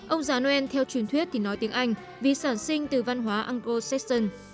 ông già noel theo truyền thuyết thì nói tiếng anh vì sản sinh từ văn hóa anglo saxon